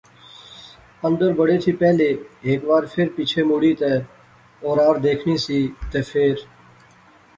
اندر بڑے تھی پہلے ہیک وار فیر پچھے مڑی تہ اورار دیکھنی سی تہ فیر